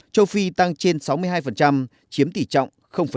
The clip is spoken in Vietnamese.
châu phi tăng trên sáu mươi hai chiếm tỷ trọng tám